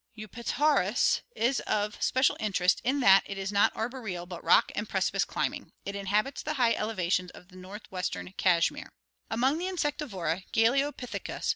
Eupetaurus is of especial interest in that it is not arboreal but rock and precipice climbing. It inhabits the high elevations of northwestern Kashmir. Among the Insectivora, Galeopithecus (Fig.